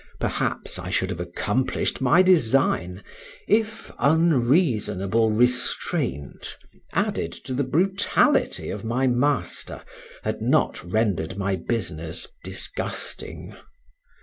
Perhaps I should have accomplished my design, if unreasonable restraint, added to the brutality of my master, had not rendered my business disgusting.